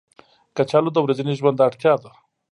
کچالو د ورځني ژوند اړتیا ده